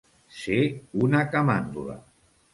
Ser una camàndula.